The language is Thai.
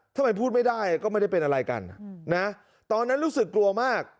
พูดไม่ได้ก็ไม่ได้เป็นอะไรกันนะตอนนั้นรู้สึกกลัวมาก